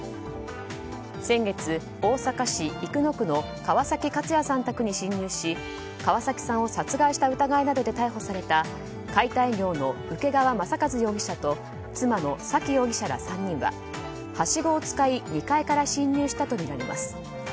先月、大阪市生野区の川崎勝哉さん宅に侵入し川崎さんを殺害した疑いなどで逮捕された解体業の請川正和容疑者と妻の左稀容疑者ら３人ははしごを使い２階から侵入したとみられます。